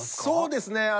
そうですね。